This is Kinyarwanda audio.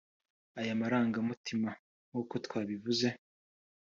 Aya marangamutima nk’uko twabivuze